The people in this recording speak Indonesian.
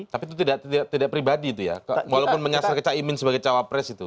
tapi itu tidak pribadi itu ya walaupun menyesal ke cak imin sebagai jawab res itu